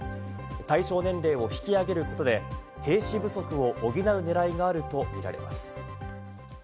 対象年齢を引き上げることで、兵士不足を補う狙いがあると見られます。